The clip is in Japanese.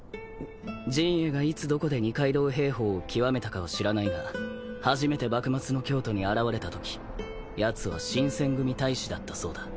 刃衛がいつどこで二階堂平法を極めたかは知らないが初めて幕末の京都に現れたときやつは新撰組隊士だったそうだ。